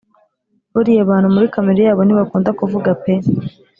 bariya bantu muri kamere yabo ntibakunda kuvuga pe